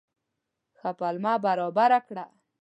ښه پلمه برابره کړه.